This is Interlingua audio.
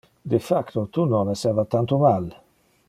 De facto, tu non esseva tanto mal.